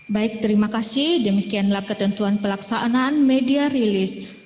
baik terima kasih demikianlah ketentuan pelaksanaan media rilis